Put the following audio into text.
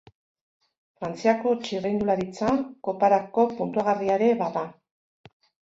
Frantziako Txirrindularitza Koparako puntuagarria ere bada.